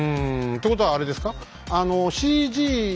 ということはあれですか？